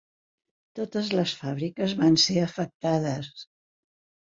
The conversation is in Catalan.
Totes les fàbriques van ser afectades.